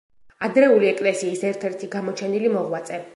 ადრეული ეკლესიის ერთ-ერთი გამოჩენილი მოღვაწე.